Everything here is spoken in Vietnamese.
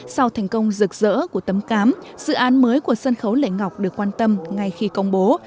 sau thành công rực rỡ của tấm cám dự án mới của sân khấu lễ ngọc được quan tâm ngay khi công bố